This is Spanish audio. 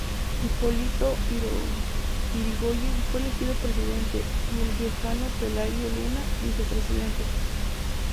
Hipólito Yrigoyen fue elegido presidente y el riojano Pelagio Luna, vicepresidente.